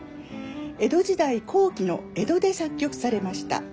江戸時代後期の江戸で作曲されました。